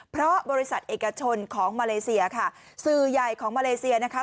เพราะบริษัทเอกชนของมาเลเซียค่ะสื่อใหญ่ของมาเลเซียนะคะ